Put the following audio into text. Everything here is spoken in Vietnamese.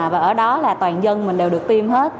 và ở đó là toàn dân mình đều được tiêm hết